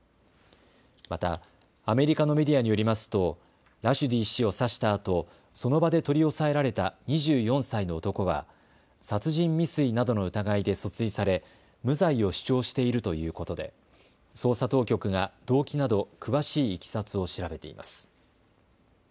またアメリカのメディアによりますとラシュディ氏を刺したあとその場で取り押さえられた２４歳の男は殺人未遂などの疑いで訴追され、無罪を主張しているということで捜査当局が動機など詳しいいきさつを調べています。